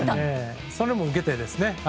それも受けてですね。